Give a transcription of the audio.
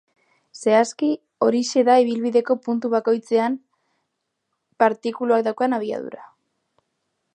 Zehazki, horixe da ibilbideko puntu bakoitzean partikulak daukan abiadura.